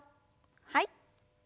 はい。